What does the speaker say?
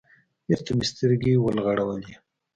بېرته مې سترگې وغړولې.